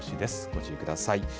ご注意ください。